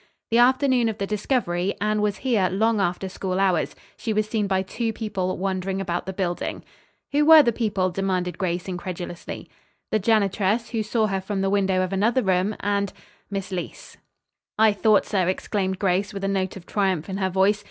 "The afternoon of the discovery Anne was here long after school hours. She was seen by two people wandering about the building." "Who were the people?" demanded Grace incredulously. "The janitress, who saw her from the window of another room, and Miss Leece." "I thought so," exclaimed Grace, with a note of triumph in her voice.